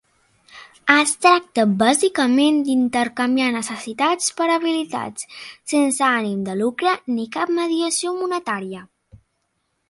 Es tracta bàsicament d'intercanviar necessitats per habilitats, sense ànim de lucre ni cap mediació monetària.